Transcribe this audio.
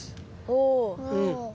お。